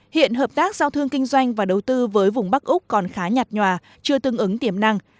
hiện hợp tác giao thương kinh doanh và đầu tư với vùng bắc úc còn khá nhạt nhòa chưa tương ứng tiềm năng